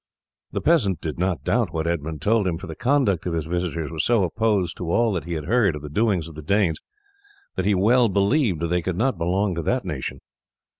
The peasant did not doubt what Edmund told him, for the conduct of his visitors was so opposed to all that he had heard of the doings of the Danes that he well believed they could not belong to that nation.